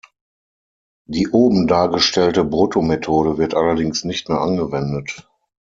Die oben dargestellte "Brutto-Methode" wird allerdings nicht mehr angewendet.